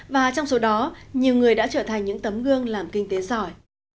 và trong số đó nhiều người đã trở thành những tấm gương làm kinh tế giỏi